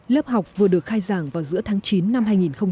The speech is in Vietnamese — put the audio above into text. lớp học vừa được khai giảng vào giữa tháng chín năm hai nghìn một mươi chín